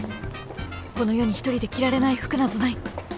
［この世に一人で着られない服なぞない］